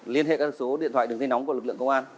liên hệ các số điện thoại đường dây nóng của lực lượng công an